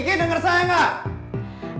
kiki denger saya gak